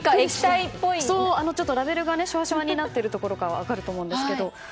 ラベルがしわしわになっているから分かると思うんですが。